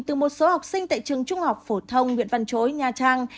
từ một số học sinh tại trường trung học phổ thông nguyễn văn chối nha trang